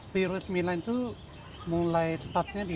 periode ke sembilan itu mulai start nya di dua ribu dua puluh empat